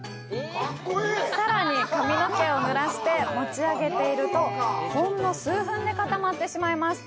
さらに、髪の毛をぬらして持ち上げていると、ほんの数分で固まってしまいます。